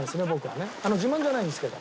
自慢じゃないんですけど。